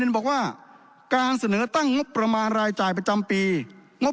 บอกว่าการเสนอตั้งงบประมาณรายจ่ายประจำปีงบ